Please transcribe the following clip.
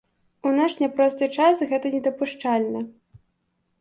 У наш няпросты час гэта недапушчальна.